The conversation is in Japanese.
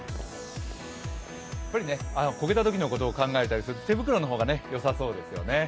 こけたときのことを考えたりすると手袋の方がよさそうですよね。